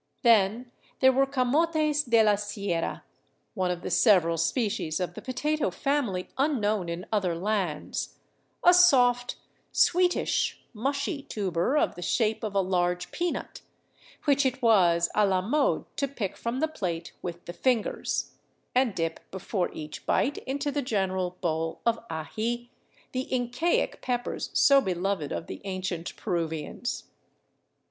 Then there were camotes de la sierra, one of the several species of the potato family unknown in other lands, a soft, sweetish, mushy tuber of the shape of a large peanut, which it was a la mode to pick from the plate with the fingers, and dip before each bite into the general bowl of aji, the Incaic pep pers so beloved of the ancient Peruvians.